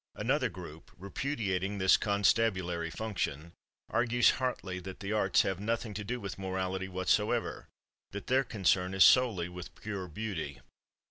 Another group, repudiating this constabulary function, argues hotly that the arts have nothing to do with morality whatsoever—that their concern is solely with pure beauty.